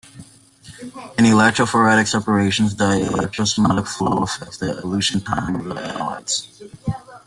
In electrophoretic separations, the electroosmotic flow affects the elution time of the analytes.